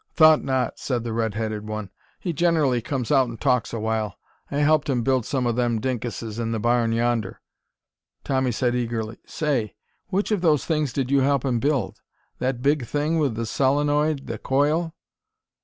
"Thought not," said the red headed one. "He gen'rally comes out and talks a while. I helped him build some of them dinkuses in the barn yonder." Tommy said eagerly: "Say, which of those things did you help him build? That big thing with the solenoid the coil?"